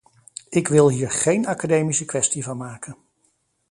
Ik wil hier geen academische kwestie van maken.